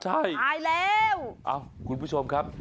อ้าวคุณผู้ชมครับ